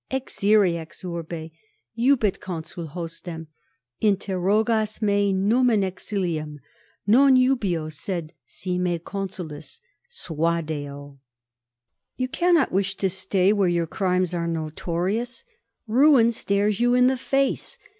Exire ex urbe iubet consul hostem. Interrogas me: num in exilium? non iubeo, sed, si me consulis, suadeo. _You cannot wish to stay where your crimes are notorious. Ruin stares you in the face.